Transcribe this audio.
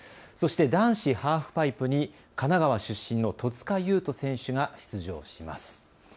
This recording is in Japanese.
そして男子ハーフパイプに神奈川出身の戸塚優斗選手が出場します。